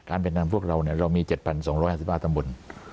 การเป็นกำหนังพวกเราเนี่ยเรามี๗๒๕๕สมบล